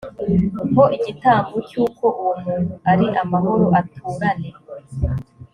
ho igitambo cy uko uwo muntu ari amahoro aturane